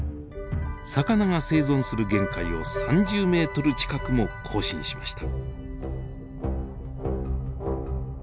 魚が生存する限界を３０ｍ近くも更新しました。